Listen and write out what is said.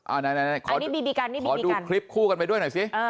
อ่านี่บีบีกันนี่บีบีกันขอดูคลิปคู่กันไปด้วยหน่อยสิ